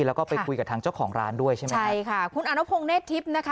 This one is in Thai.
แล้วก็ไปคุยกับทางเจ้าของร้านด้วยใช่ไหมครับใช่ค่ะคุณอนุพงศ์เศษทิพย์นะคะ